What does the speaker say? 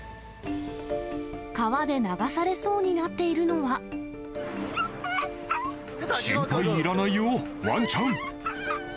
川で流されそうになっている心配いらないよ、わんちゃん。